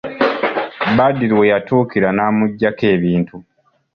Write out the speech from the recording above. Badru we yatuukira n'amugyako ebintu.